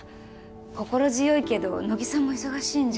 心強いけど乃木さんも忙しいんじゃ？